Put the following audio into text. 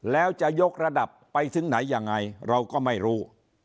แล้วจะยกระดับไปถึงไหนยังไงเราก็ไม่รู้